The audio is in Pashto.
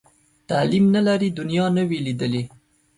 تعلیم نه لري، دنیا نه وي لیدلې.